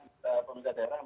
tapi apakah pemerintah daerah